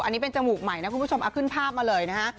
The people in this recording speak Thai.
อันนี้เป็นจมูกใหม่นะคุณผู้ชมเอาขึ้นภาพมาเลยนะฮะ